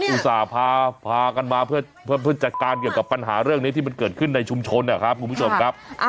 อุตส่าห์พากันมาเพื่อจัดการเกี่ยวกับปัญหาเรื่องนี้ที่มันเกิดขึ้นในชุมชนนะครับคุณผู้ชมครับ